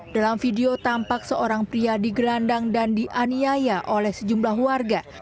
dalam video tampak seorang pria digelandang dan dianiaya oleh sejumlah warga